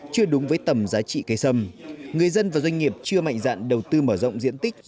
chưa đúng với tầm giá trị cây sâm người dân và doanh nghiệp chưa mạnh dạn đầu tư mở rộng diện tích